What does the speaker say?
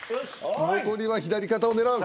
残りは左肩を狙う。